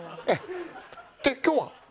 で今日は？